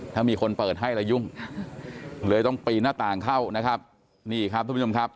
ถ้ามีคนเปิดให้แล้วยุ่งเลยต้องปีนหน้าต่างเข้านะครับนี่ครับทุกผู้ชมครับ